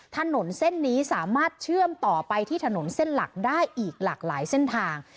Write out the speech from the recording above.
ถนนเส้นนี้สามารถเชื่อมต่อไปที่ถนนเส้นหลักได้อีกหลากหลายเส้นทาง